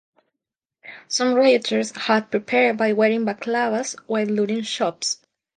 Some rioters had prepared by wearing balaclavas while looting shops.